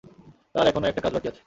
তার এখনো একটা কাজ বাকী আছে।